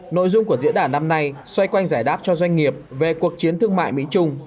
nội dung của diễn đàn năm nay xoay quanh giải đáp cho doanh nghiệp về cuộc chiến thương mại mỹ trung